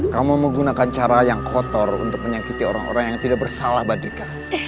kamu menggunakan cara yang kotor untuk menyakiti orang orang yang tidak bersalah badrika